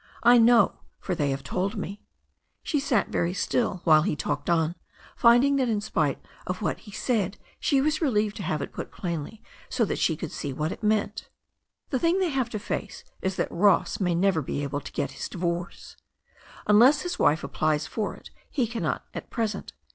I know, for they have told me." She sat very still while he talked on, finding that in spite of what he said she was relieved to have it put plainly so that she could see what it meant. "The thing they have to face is that Ross may never be able to get his divorce. Unless his wife applies for it he cannot at present.